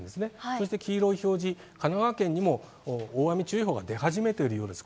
そして黄色い表示、神奈川県にも大雨注意報が出始めているようです。